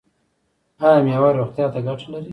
ایا میوه روغتیا ته ګټه لري؟